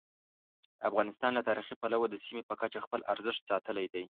افغانستان له تاریخي پلوه د سیمې په کچه خپل ارزښت ساتلی دی.